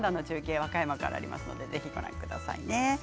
和歌山からありますのでぜひご覧くださいね。